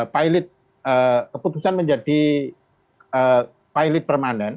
pilot keputusan menjadi pilot permanen